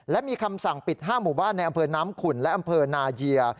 และมีคำสั่งปิด๕หมู่บ้านในอำเภอน้ำขุ่นและอำเภอนาเยีย